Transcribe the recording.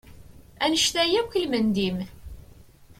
Annect-a yark, ilmend-im!